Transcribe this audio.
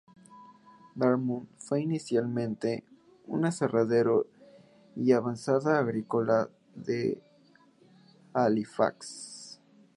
Dartmouth fue inicialmente un aserradero y avanzada agrícola de Halifax.